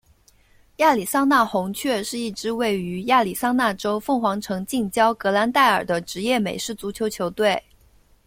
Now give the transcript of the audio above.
亚利桑那红雀是一支位于亚利桑那州凤凰城近郊格兰岱尔的职业美式足球球队。